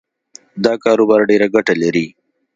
دا کاروبار ډېره ګټه لري